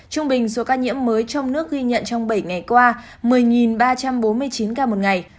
trung bình số ca nhiễm mới trong nước ghi nhận trong bảy ngày qua một mươi ba trăm bốn mươi chín ca một ngày